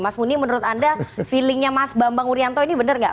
mas muni menurut anda feelingnya mas bambang urianto ini benar nggak